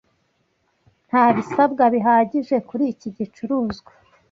Nta bisabwa bihagije kuri iki gicuruzwa.